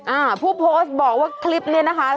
อ่าผู้โพสต์บอกว่าคลิปนี้นะคะ